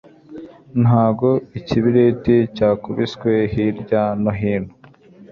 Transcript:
Ntabwo ikibiriti cyakubiswe hirya no hino